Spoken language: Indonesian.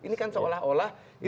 ini kan seolah olah